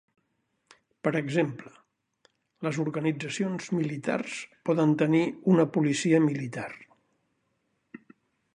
Per exemple, les organitzacions militars poden tenir una policia militar.